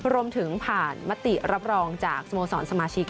รวมถึงผ่านมติรับรองจากสโมสรสมาชิก